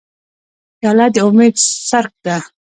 پیاله د امید څرک ده.